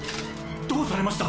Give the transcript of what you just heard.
どうされました？